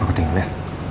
aku tinggal ya